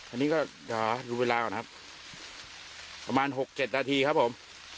อันนี้ก็จะดูเวลาก่อนนะครับประมาณหกเจ็ดนาทีครับผม